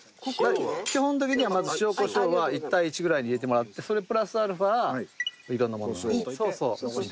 基本的にはまず塩コショウは１対１ぐらいに入れてもらってそれプラスアルファ色んなものをそうそう。